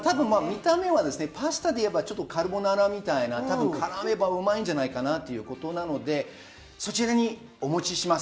見た目はパスタで言えばカルボナーラみたいな、絡めばうまいんじゃないかなということなので、そちらにお持ちします。